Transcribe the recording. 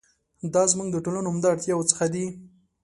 دا زموږ د ټولنو عمده اړتیاوو څخه دي.